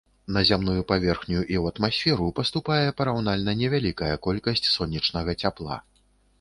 На зямную паверхню і у атмасферу паступае параўнальна невялікая колькасць сонечнага цяпла.